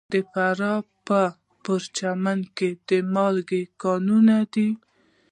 د فراه په پرچمن کې د مالګې کانونه دي.